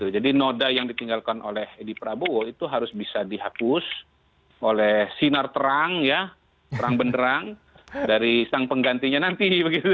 jadi noda yang ditinggalkan oleh edi prabowo itu harus bisa dihapus oleh sinar terang ya terang benerang dari sang penggantinya nanti